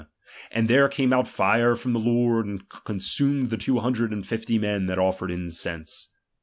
And there came out jive ^H from the Lord, and consumed the two hundred ^H and fifty men that offered incense.